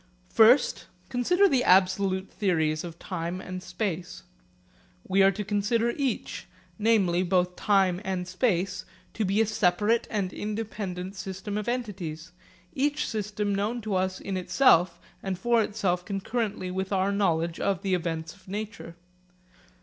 First, consider the absolute theories of time and space. We are to consider each, namely both time and space, to be a separate and independent system of entities, each system known to us in itself and for itself concurrently with our knowledge of the events of nature.